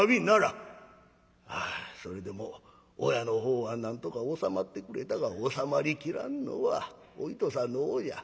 それでも親のほうはなんとか収まってくれたが収まりきらんのはお糸さんのほうじゃ。